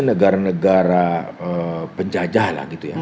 negara negara penjajah lah gitu ya